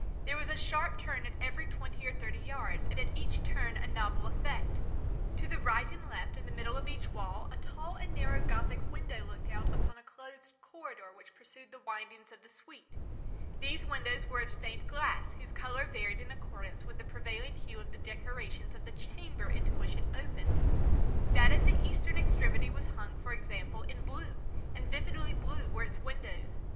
There was a sharp turn at every twenty or thirty yards, and at each turn a novel effect. To the right and left, in the middle of each wall, a tall and narrow Gothic window looked out upon a closed corridor which pursued the windings of the suite. These windows were of stained glass whose colour varied in accordance with the prevailing hue of the decorations of the chamber into which it opened. That at the eastern extremity was hung, for example in blue—and vividly blue were its windows.